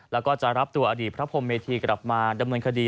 แล้วก็จะรับตัวอดีตพระพรมเมธีกลับมาดำเนินคดี